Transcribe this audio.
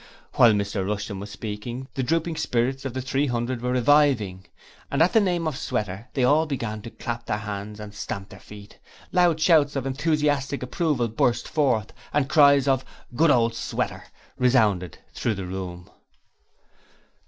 While Mr Rushton was speaking the drooping spirits of the Three Hundred were reviving, and at the name of Sweater they all began to clap their hands and stamp their feet. Loud shouts of enthusiastic approval burst forth, and cries of 'Good old Sweater' resounded through the room.